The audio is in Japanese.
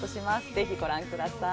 ぜひご覧ください。